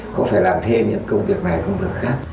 cũng phải làm thêm những công việc này công việc khác